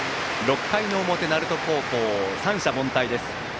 ６回の表、鳴門高校三者凡退です。